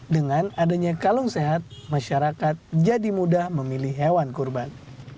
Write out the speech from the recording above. dengan adanya kalung sehat masyarakat jadi mudah memilih hewan kurban